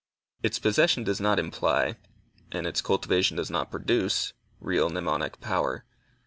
Its possession does not imply, and its cultivation does not produce, real mnemonic power.